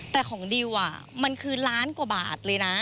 แต่ของดิวมันคือล้านกว่าบาทเลยนะ